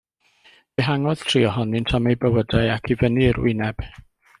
Dihangodd tri ohonynt am eu bywydau ac i fyny i'r wyneb.